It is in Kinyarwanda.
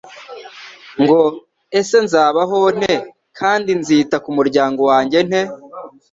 ngo: ese nzabaho nte kandi nzita ku muryango wanjye nte ?